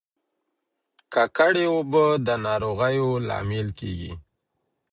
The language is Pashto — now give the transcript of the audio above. ککړې اوبه د ناروغیو لامل کیږي.